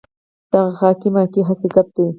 دغه خاکې ماکې هسې ګپ دی.